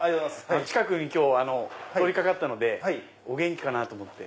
近くに今日通りかかったのでお元気かなと思って。